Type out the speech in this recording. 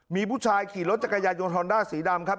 มีผู้ชายขี่รถจักรยายนฮอนด้าสีดำครับ